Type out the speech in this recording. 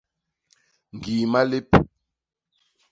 Ñgii malép.